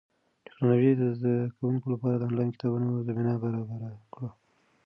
ټیکنالوژي د زده کوونکو لپاره د انلاین کتابتونونو زمینه برابره کړه.